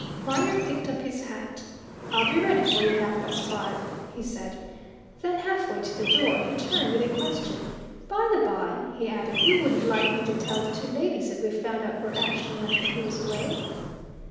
Viner picked up his hat. "I'll be ready for you at half past five," he said. Then, halfway to the door, he turned with a question: "By the by," he added, "you wouldn't like me to tell the two ladies that we've found out where Ashton went when he was away?"